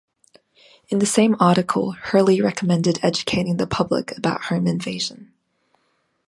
In the same article Hurley recommended educating the public about home invasion.